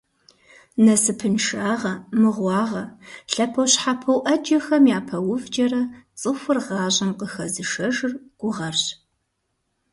Насыпыншагъэ, мыгъуагъэ, лъэпощхьэпо Ӏэджэхэм япэувкӀэрэ, цӀыхур гъащӀэм къыхэзышэжыр гугъэрщ.